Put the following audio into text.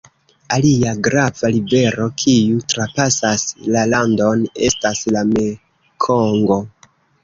Alia grava rivero kiu trapasas la landon estas la Mekongo.